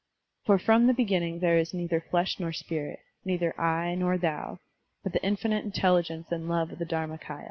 For from the beginning there is neither flesh nor spirit, neither "I" nor "thou," but the infinite intelligence and love of the DharmaMya.